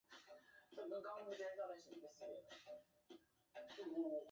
莱丰特内勒人口变化图示